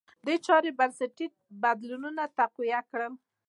دې چارې بنسټي بدلونونه تقویه کړل.